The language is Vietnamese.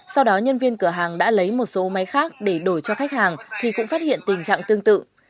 sau đó nhân viên cửa hàng đã lấy một số máy khác để đổi cho khách hàng thì cũng phát hiện tình trạng tương tự